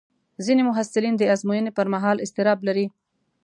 ځینې محصلین د ازموینې پر مهال اضطراب لري.